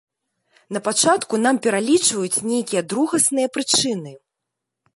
Напачатку нам пералічваюць нейкія другасныя прычыны.